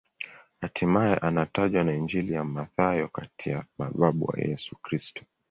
Hatimaye anatajwa na Injili ya Mathayo kati ya mababu wa Yesu Kristo.